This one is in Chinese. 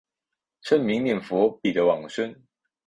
称名念佛必得往生。